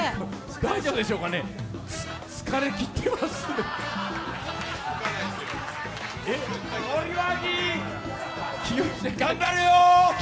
大丈夫でしょうかね、疲れきってます森脇、頑張れよ！